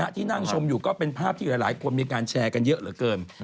ที่นั่งชมอยู่ก็เป็นภาพที่หลายคนมีการแชร์กันเยอะเหลือเกิน